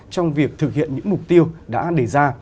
trong việc thực hiện những mục tiêu đã đề ra